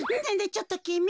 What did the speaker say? ちょっときみ。